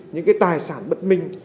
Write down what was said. những cái tài sản bất minh